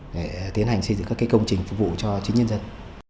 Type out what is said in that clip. để tiến hành xây dựng các công trình phục vụ cho chính nhân dân